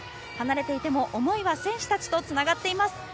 離れていても思いは選手たちとつながっています。